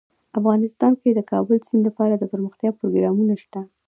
افغانستان کې د د کابل سیند لپاره دپرمختیا پروګرامونه شته.